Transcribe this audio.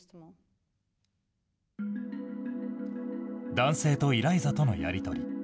男性とイライザとのやり取り。